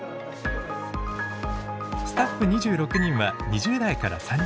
スタッフ２６人は２０代から３０代が中心。